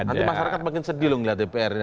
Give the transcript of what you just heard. nanti masyarakat makin sedih loh melihat dpr ini